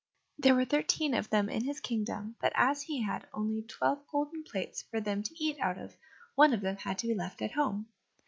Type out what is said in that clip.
There were thirteen of them in his kingdom, but, as he had only twelve golden plates for them to eat out of, one of them had to be left at home.